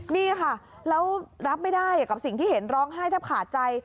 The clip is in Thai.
นี่ค่ะแล้วรับไม่ได้กับสิ่งที่เห็นร้องไห้แทบขาดใจ